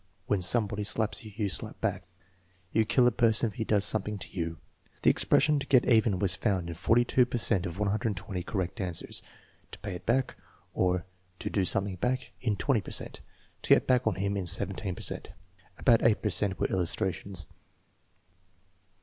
"When somebody slaps you, you slap back." "You kill a person if he does something to you." The expression "to get even" was found in 42 per cent of 120 correct answers; "to pay it back," or "To do something back," in 20 per cent; "To get back on him," in 17 per cent. About 8 per cent were illustrations.